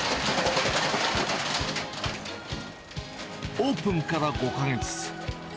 オープンから５か月。